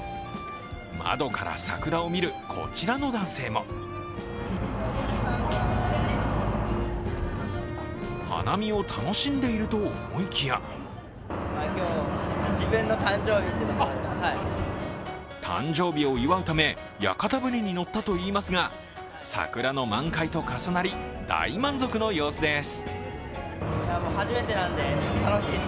窓から桜を見るこちらの男性も花見を楽しんでいると思いきや誕生日を祝うため、屋形船に乗ったといいますが、桜の満開と重なり大満足の様子です。